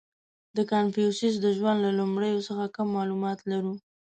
• د کنفوسیوس د ژوند له لومړیو څخه کم معلومات لرو.